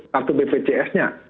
kartu bpjs nya